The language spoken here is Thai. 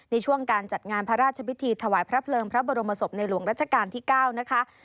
ในช่วงการจัดงานพระราชพิธีถวายพระเพลิงพระบรมศพในหลวงรัชกาลที่๙นะคะ